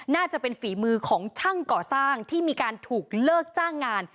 น่าจะเป็นฝีมือของช่างก่อสร้างที่มีการถูกเลิกจ้างงาน